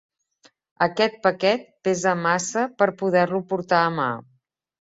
Aquest paquet pesa massa per poder-lo portar a mà.